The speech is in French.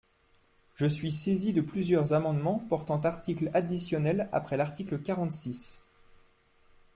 Je suis saisie de plusieurs amendements portant article additionnel après l’article quarante-six.